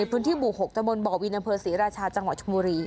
ในพื้นที่บู่๖ทะมนต์บ่อวีนพศรีราชาจังหวัดชมศ์มุรี